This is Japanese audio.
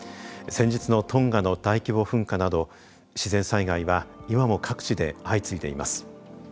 先日のトンガの大規模噴火など自然災害は今も各地で相次いでいます。